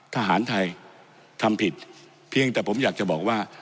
ทหารไทยทำผิดเพียงแต่ผมอยากจะบอกว่า